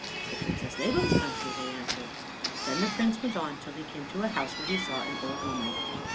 "The Princess Labam's country," they answered. Then the Prince went on till he came to a house where he saw an old woman.